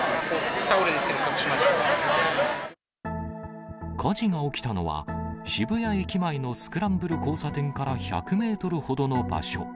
タオルですけど、火事が起きたのは、渋谷駅前のスクランブル交差点から１００メートルほどの場所。